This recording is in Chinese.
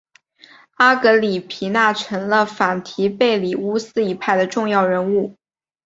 阿格里皮娜成了反提贝里乌斯一派的重要人物。